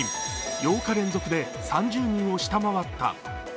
８日連続で３０人を下回った。